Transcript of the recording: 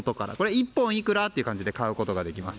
１本いくらという感じで買うことができます。